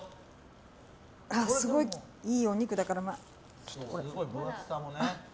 すごい、いいお肉だから。